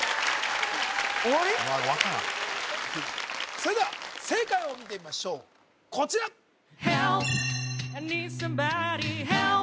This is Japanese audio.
それでは正解を見てみましょうこちらＨｅｌｐ！